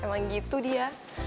emang gitu dia